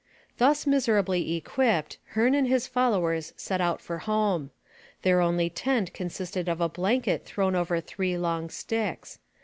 Thus miserably equipped, Hearne and his followers set out for home. Their only tent consisted of a blanket thrown over three long sticks.